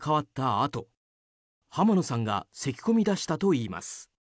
あと浜野さんがせき込み出したといいます。